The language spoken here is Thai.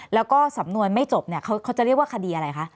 แล้วก็สำนวนไม่จบเนี่ยเขาจะเรียกว่าคดีอะไรคะ